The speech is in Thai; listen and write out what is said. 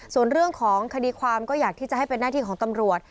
ส่วนเรื่องของคดีความก็อยากที่จะให้เป็นหน้าที่ของตำรวจ